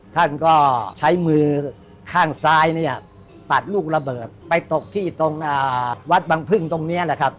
ท่านก็ใช้มือข้างซ้ายเนี่ยปัดลูกระเบิดไปตกที่ตรงวัดบังพึ่งตรงนี้แหละครับ